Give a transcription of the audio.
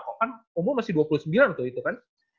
kok kan umur masih dua puluh sembilan tuh itu kan